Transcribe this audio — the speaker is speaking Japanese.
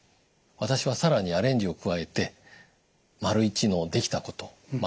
私は更にアレンジを加えて①の「できたこと」